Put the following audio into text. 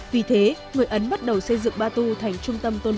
vì thế người ấn bắt đầu xây dựng batu thành trung tâm tôn trọng